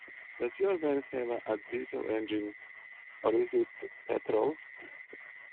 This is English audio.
Does your van have a diesel engine, or is it petrol?